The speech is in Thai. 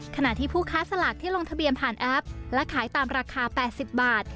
ขณะที่ผู้ค้าสลากที่ลงทะเบียนผ่านแอปและขายตามราคา๘๐บาท